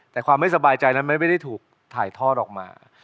แต่ความไม่สบายใจนั้นไม่ได้ถูกถ่ายทอดออกมา